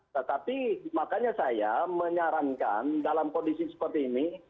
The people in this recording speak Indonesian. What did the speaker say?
tetapi makanya saya menyarankan dalam kondisi seperti ini